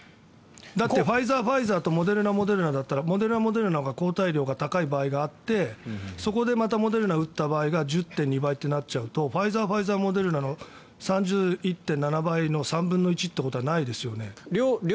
ファイザー、ファイザーモデルナだったらモデルナのほうがモデルナ、モデルナのほうが抗体が高い場合があってそこでまたモデルナを打つと１０．何倍となっちゃうとファイザー、ファイザーモデルナの３１．７倍の３分の１ということはないですよね。